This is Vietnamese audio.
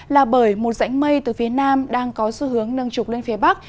là bởi một rãnh mây từ phía nam đang có xu hướng nâng trục lên phía bắc